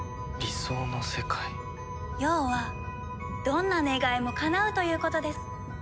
要はどんな願いもかなうということです。